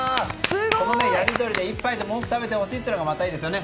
このやり取りで１杯でも多く食べてほしいというのがいいですよね。